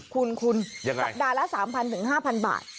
คุณสัปดาห์ละ๓๐๐๕๐๐บาท